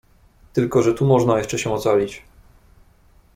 "Tylko że tu można jeszcze się ocalić."